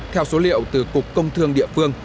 theo số liệu từ cục công thương địa phương